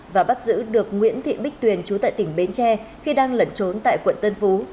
và bắt giữ được nguyễn thị bích tuyền trú tại tp hcm khi đang lẩn trốn tại quận tân phú